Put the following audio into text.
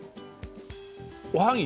おはぎ？